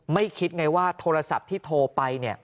คิดไงว่าโทรศัพท์ที่โทรไป